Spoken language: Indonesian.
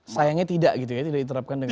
sayangnya tidak gitu ya tidak diterapkan dengan